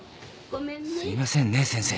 すいませんね先生。